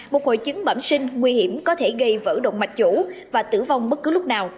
một hội chứng bẩm sinh nguy hiểm có thể gây vỡ động mạch chủ và tử vong bất cứ lúc nào